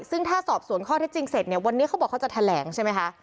ซึ่งถ้าสอบสวนข้อเท็จจริงเสร็จเนี่ยวันนี้เขาบอกเขาจะแถลงใช่ไหมคะ